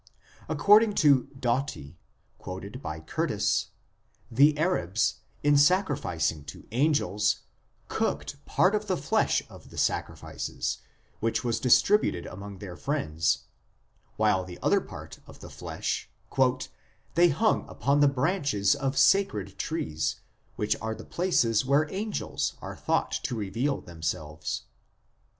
According to Doughty, quoted by Curtiss, 2 the Arabs, in sacrificing to angels, cooked part of the flesh of the sacrifices, which was distributed among their friends, while the other part of the flesh " they hung upon the branches of sacred trees, which are the places where angels are thought to reveal themselves."